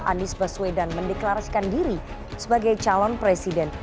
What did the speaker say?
anies baswedan mendeklarasikan diri sebagai calon presiden